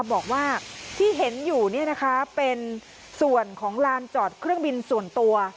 บอกว่าที่เห็นอยู่เป็นส่วนของลานจอดเครื่องบินส่วนตัว